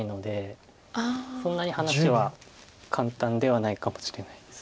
そんなに話は簡単ではないかもしれないです。